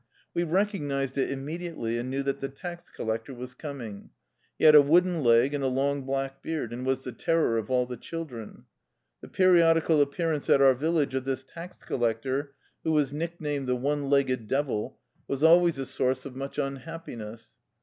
We recognized it immediately, and knew that the tax collector was coming. He had a wooden leg and a long black beard, and was the terror of all the children. The periodical appearance at our village of this tax collector who was nicknamed " the one legged devil,'' was always a source of much unhappiness.